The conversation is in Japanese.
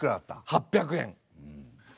８００円。